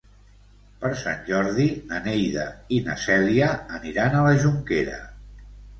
Per Sant Jordi na Neida i na Cèlia aniran a la Jonquera.